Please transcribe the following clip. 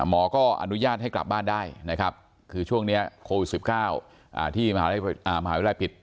หมอก็อนุญาตให้กลับบ้านได้นะครับคือช่วงนี้โควิด๑๙ที่มหาวิทยาลัยปิด